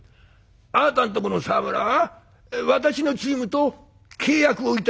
あなたんとこの沢村私のチームと契約をいたしました」。